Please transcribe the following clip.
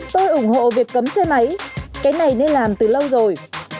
tôi ủng hộ việc cấm xe máy cái này nên làm từ lâu rồi